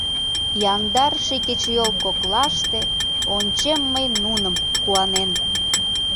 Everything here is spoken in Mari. Яндар ший кечыйол коклаште Ончем мый нуным, куанен.